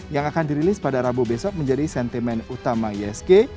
yang akan dirilis pada rabu besok menjadi sentimen utama isg